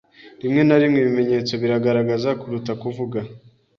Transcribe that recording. Rimwe na rimwe ibimenyetso biragaragaza kuruta kuvuga.